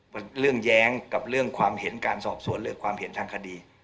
เป็นเรื่องแย้งกับเรื่องความเห็นการสอบสวนเรื่องความเห็นทางคดี